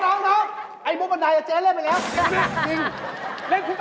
สักครู่เล่นมาได่ธรรมดาปันใดเลื่อนหรือยัง